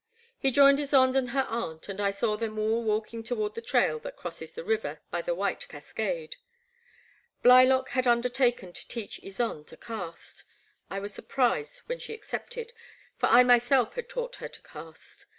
He joined Ysonde and her aunt, and I saw them all walking toward the trail that crosses the river by the White Cascade. Blylock had under taken to teach Ysonde to cast. I was surprised when she accepted, for I myself had taught her to cast.